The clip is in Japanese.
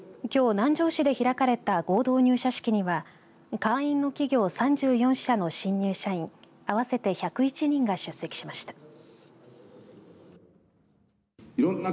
きょう南城市で開かれた合同入社式には会員の企業３４社の新入社員合わせて１０１人が出席しました。